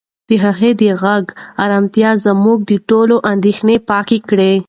د هغې د غږ ارامتیا زما د ذهن ټولې اندېښنې پاکې کړې.